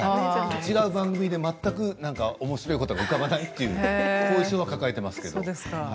違う番組で全くおもしろいことが浮かばないという後遺症は抱えていますけれども。